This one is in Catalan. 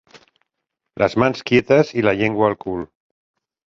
Les mans quietes i la llengua al cul.